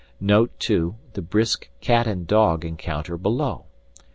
Note, too, the brisk cat and dog encounter below.